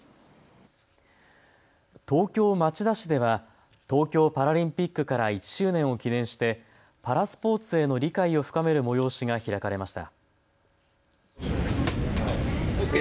東京町田市では東京パラリンピックから１周年を記念してパラスポーツへの理解を深める催しが開かれました。